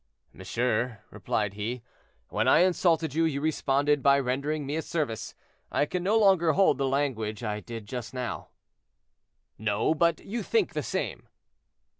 "Monsieur," replied he, "when I insulted you, you responded by rendering me a service. I can no longer hold the language I did just now." "No; but you think the same."